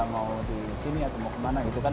mau di sini atau mau kemana gitu kan